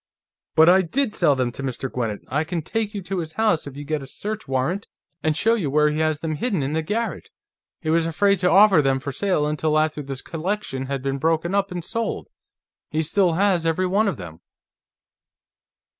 "But I did sell them to Mr. Gwinnett. I can take you to his house, if you get a search warrant, and show you where he has them hidden in the garret. He was afraid to offer them for sale until after this collection had been broken up and sold; he still has every one of them."